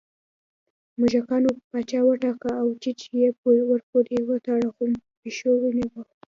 موږکانو پاچا وټاکه او چج یې ورپورې وتړه خو پېشو ونیوه